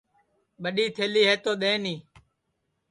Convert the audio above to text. ٻڈؔی تھلی ہے تو دؔیٹؔی